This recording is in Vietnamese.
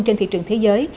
trên thị trường thế giới